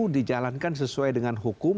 dijalankan sesuai dengan hukum